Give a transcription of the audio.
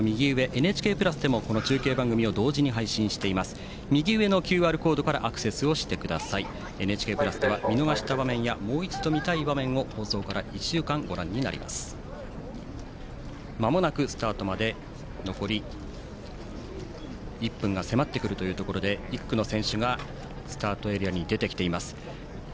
「ＮＨＫプラス」では見逃した場面やもう一度見たい場面を放送から１週間ご覧になれます。まもなくスタートまで残り１分が迫ってくるところで１区の選手がスタートエリアに出てきています。